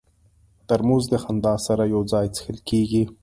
ترموز د خندا سره یو ځای څښل کېږي.